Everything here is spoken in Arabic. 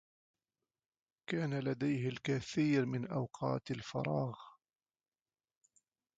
كان لديه الكثير من أوقات الفراغ.